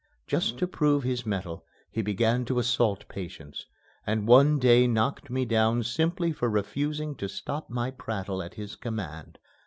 Just to prove his mettle he began to assault patients, and one day knocked me down simply for refusing to stop my prattle at his command.